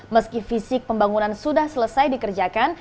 meski fisik pembangunan sudah selesai dikerjakan